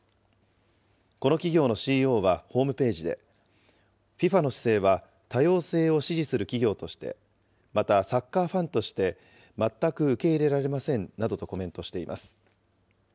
この企業のＣＥＯはホームページで、ＦＩＦＡの姿勢は多様性を支持する企業として、またサッカーファンとして全く受け入れられませんなどとコメントしています。